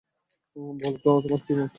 বলো তো, তোমার কী মত?